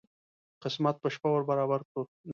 قسمت په شپه ور برابر کړو.